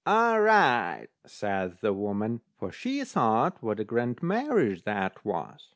"All right," says the woman; for she thought what a grand marriage that was.